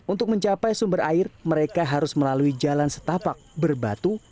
untuk mencapai sumber air mereka harus melalui jalan setapak berbatu